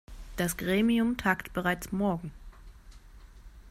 Das Gremium tagt bereits morgen.